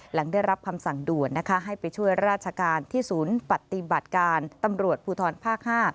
หลังได้รับคำสั่งด่วนให้ไปช่วยราชการที่ศูนย์ปฏิบัติการตำรวจภูทรภาค๕